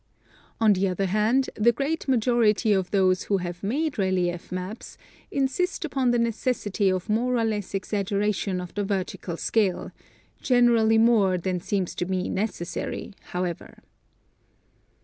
On the other hand the great majority of those who have made relief ma]3S insist upon the necessity of more or less exaggeration of the vertical scale — generally more than seems to me necessary, however.